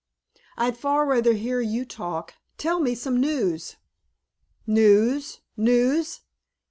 "I'd far rather hear you talk. Tell me some news." "News? News?